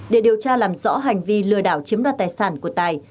để điều tra làm rõ hành vi lừa đảo chiếm đoạt tài sản của tài